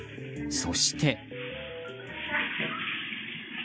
そして。